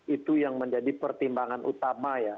itu yang menjadi pertimbangan utama ya